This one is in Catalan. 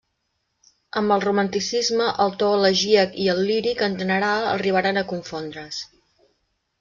Amb el romanticisme el to elegíac i el líric en general arribaren a confondre's.